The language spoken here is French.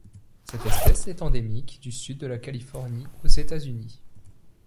Cette espèce est endémique du Sud de la Californie aux États-Unis.